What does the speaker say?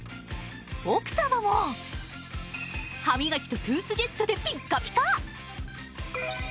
奥さまも歯磨きとトゥースジェットでピッカピカ！